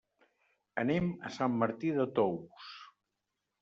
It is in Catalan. Anem a Sant Martí de Tous.